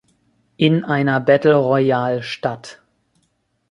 In einer Battle Royal statt.